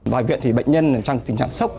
bài viện thì bệnh nhân trong tình trạng sốc